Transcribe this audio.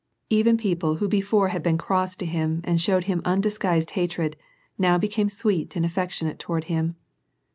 Even people who before had been cross to him and showed him undisguised hatred, now became sweet and affectionate toward him.